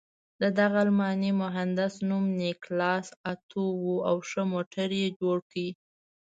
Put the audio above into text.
د دغه الماني مهندس نوم نیکلاس اتو و او ښه موټر یې جوړ کړ.